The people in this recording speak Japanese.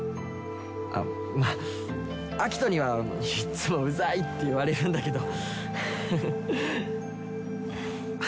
あっまあアキトにはいっつもウザいって言われるんだけどフフフッ。